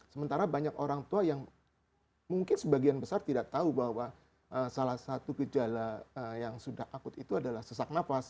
sementara banyak orang tua yang mungkin sebagian besar tidak tahu bahwa salah satu gejala yang sudah akut itu adalah sesak nafas